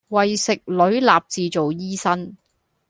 為食女立志做醫生